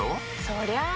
そりゃあ